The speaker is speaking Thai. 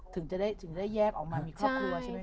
ถึงจะได้แยกออกมามีครอบครัวใช่ไหมค่ะ